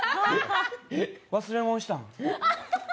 忘れ物したん？